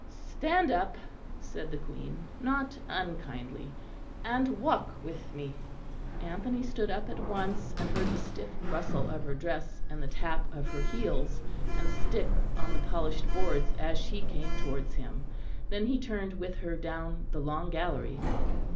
"Stand up," said the Queen, not unkindly, "and walk with me." Anthony stood up at once, and heard the stiff rustle of her dress and the tap of her heels and stick on the polished boards as she came towards him. Then he turned with her down the long gallery.